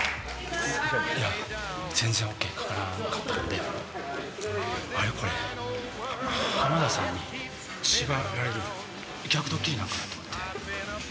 いや全然ＯＫかからんかったんでこれ浜田さんにシバかれる逆ドッキリなんかな？と思って。